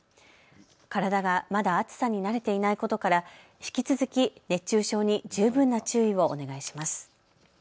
体がまだ暑さに慣れていないことから引き続き熱中症に十分な注意をお願いします。